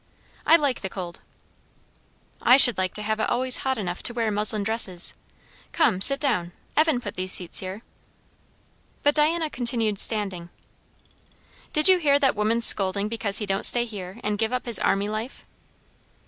"I like the cold." "I should like to have it always hot enough to wear muslin dresses. Come, sit down. Evan put these seats here." But Diana continued standing. "Did you hear that woman scolding because he don't stay here and give up his army life?"